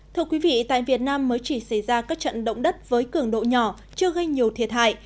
thưa quý vị tại việt nam mới chỉ xảy ra các trận động đất với cường độ nhỏ chưa gây nhiều thiệt hại